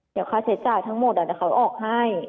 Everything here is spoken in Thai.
เดี๋ยวข้าเศษจ่ายทั้งหมดอาจจะเขาออกให้